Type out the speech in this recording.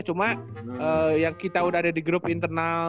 cuma yang kita udah ada di grup internal